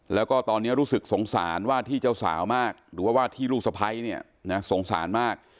แล้วก็ตอนนี้รู้สึกสงสารว่าที่เจ้าสาวมากหรือว่าว่าที่ลูกสะพ้ายเนี่ยนะสงสารมาก